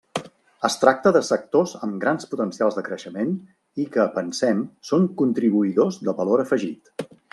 Es tracta de sectors amb grans potencials de creixement, i que, pensem, són contribuïdors de valor afegit.